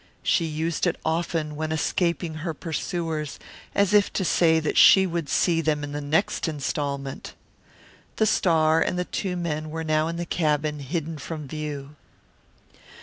She used it often when escaping her pursuers, as if to say that she would see them in the next installment. The star and the two men were now in the cabin, hidden from view.